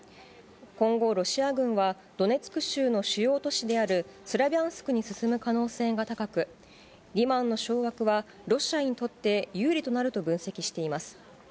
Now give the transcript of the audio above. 今後、ロシア軍は、ドネツク州の主要都市であるスラビャンスクに進む可能性が高く、リマンの掌握はロシアにとって有利となると分析しています。